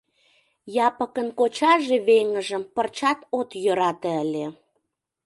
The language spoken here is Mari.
Япыкын кочаже веҥыжым пырчат от йӧрате ыле.